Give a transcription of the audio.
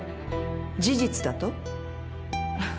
事実だと？